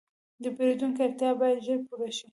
د پیرودونکي اړتیا باید ژر پوره شي.